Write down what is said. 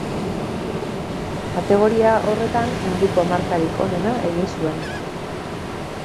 Kategoria horretan munduko markarik onena egin zuen.